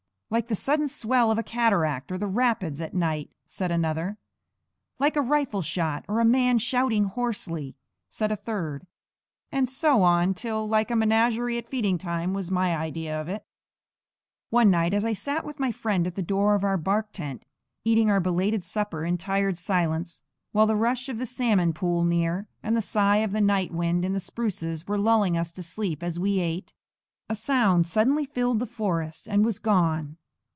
"Like the sudden swell of a cataract or the rapids at night," said another. "Like a rifle shot, or a man shouting hoarsely," said a third; and so on till like a menagerie at feeding time was my idea of it. One night as I sat with my friend at the door of our bark tent, eating our belated supper in tired silence, while the rush of the salmon pool near and the sigh of the night wind in the spruces were lulling us to sleep as we ate, a sound suddenly filled the forest, and was gone.